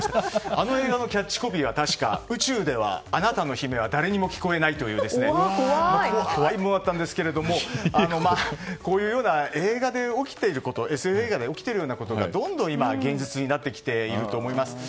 あの映画のキャッチコピーは確か、宇宙ではあなたの悲鳴は誰にも聞こえないという怖いものだったんですけどこういうようなＳＦ映画で起きているようなことがどんどん今現実になってきていると思います。